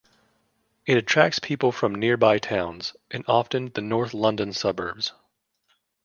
It attracts people from nearby towns, and often the North London suburbs.